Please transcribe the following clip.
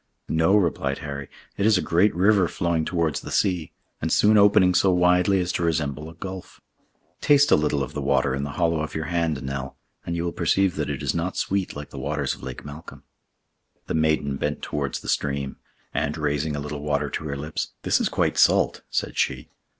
"No," replied Harry, "it is a great river flowing towards the sea, and soon opening so widely as to resemble a gulf. Taste a little of the water in the hollow of your hand, Nell, and you will perceive that it is not sweet like the waters of Lake Malcolm." The maiden bent towards the stream, and, raising a little water to her lips, "This is quite salt," said she.